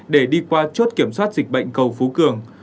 để đi qua chốt kiểm soát dịch bệnh cầu phú cường